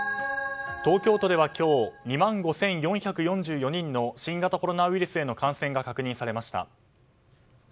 東京都では今日２万５４４４人の新型コロナウイルスへの感染が確認されました。